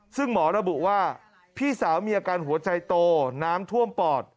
ซึ่งหมอระบุว่าพี่สาวมีอาการหัวใจโตน้ำท่วมปอด